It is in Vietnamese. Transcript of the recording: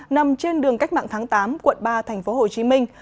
nằm trên đường cách mạng tháng tám quận ba thành phố hồ chí minh